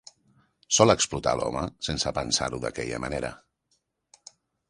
Sol explotar l'home sense pensar-ho d'aquella manera.